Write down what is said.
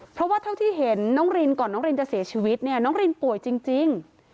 เพราะว่าเท่าที่เห็นน้องรินก่อนน้องรินจะเสียชีวิตเนี่ยน้องรินป่วยจริง